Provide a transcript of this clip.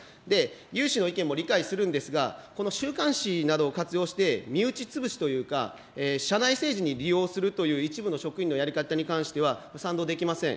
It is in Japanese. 有志の意見も理解するんですが、この週刊誌などを活用して身内潰しというか、社内政治に利用するという一部の職員のやり方に関しては賛同できません。